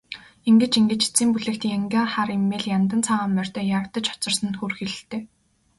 Ингэж ингэж эцсийн бүлэгт янгиа хар эмээл, яндан цагаан морьтой ягдаж хоцорсон нь хөөрхийлөлтэй.